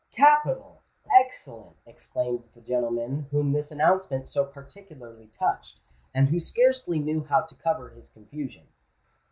"Capital! excellent!" exclaimed the gentleman whom this announcement so particularly touched, and who scarcely knew how to cover his confusion.